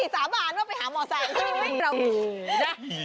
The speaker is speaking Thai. สามารถว่าไปหามอเตอร์ไซค์